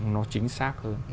nó chính xác hơn